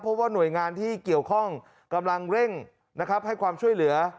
เพราะว่าหน่วยงานที่เกี่ยวข้องกำลังเร่งนะครับให้ความช่วยเหลือ